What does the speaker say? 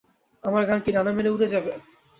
আমার গান কি ডানা মেলে উড়ে যাবে।